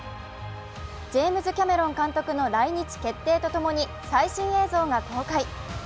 ジェームズ・キャメロン監督の来日決定とともに最新映像が公開。